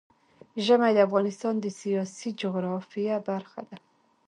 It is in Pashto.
ژمی د افغانستان د سیاسي جغرافیه برخه ده.